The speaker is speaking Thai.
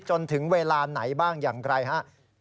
จนถึงเวลาไหนบ้างอย่างไรฮะ